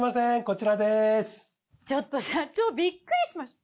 ちょっと社長ビックリしました。